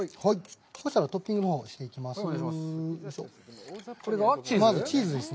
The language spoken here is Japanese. そしたら、トッピングのほう、していきます。